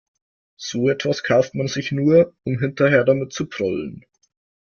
So etwas kauft man sich nur, um hinterher damit zu prollen.